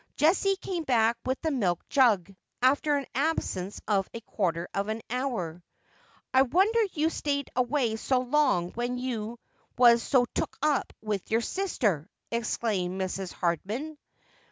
Jessie came back with the milk jug, after an absence of a quart* i of an hour. ' I wonder you stayed away so long when you was so took up with your sister,' exclaimed Mrs. Ilardman.